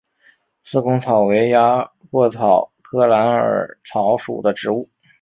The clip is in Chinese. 四孔草为鸭跖草科蓝耳草属的植物。